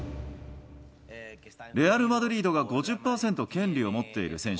レアル・マドリードが５０％権利を持っている選手。